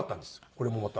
これもまた。